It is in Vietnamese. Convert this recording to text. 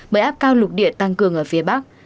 bởi áp cao lục địa tăng cường ở phía bắc